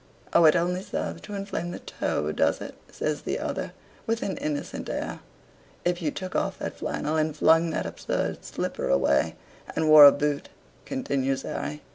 "Oh! it only serves to inflame the toe, does it?" says the other, with an innocent air. "If you took off that flannel, and flung that absurd slipper away, and wore a boot," continues Harry.